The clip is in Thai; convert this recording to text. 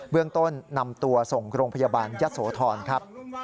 เรื่องต้นนำตัวส่งโรงพยาบาลยะโสธรครับ